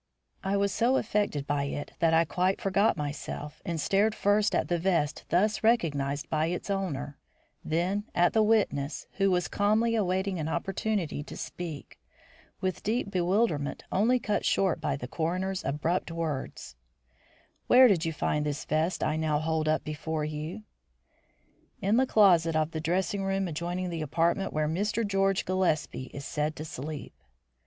I was so affected by it that I quite forgot myself, and stared first at the vest thus recognised by its owner, then at the witness, who was calmly awaiting an opportunity to speak, with deep bewilderment only cut short by the coroner's abrupt words: "Where did you find this vest I now hold up before you?" "In the closet of the dressing room adjoining the apartment where Mr. George Gillespie is said to sleep."